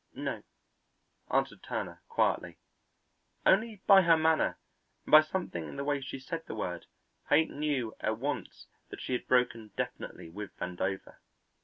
"No," answered Turner quietly. Only by her manner, and by something in the way she said the word, Haight knew at once that she had broken definitely with Vandover.